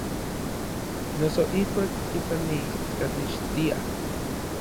Noso ijkuak kipanijkanextiaj.